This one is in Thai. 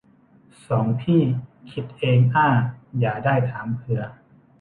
สองพี่คิดเองอ้า อย่าได้ถามเผือ